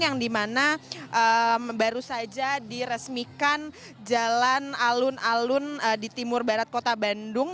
yang dimana baru saja diresmikan jalan alun alun di timur barat kota bandung